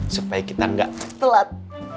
supaya kita gak telat